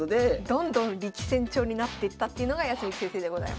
どんどん力戦調になっていったっていうのが康光先生でございます。